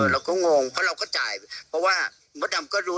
งงเพราะเราก็จ่ายเพราะว่ามดดำก็รู้